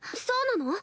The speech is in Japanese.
そうなの？